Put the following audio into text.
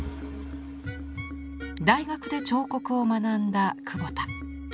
大学で彫刻を学んだ久保田。